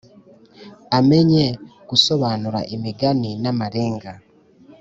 Amenye gusobanura imigani n amarenga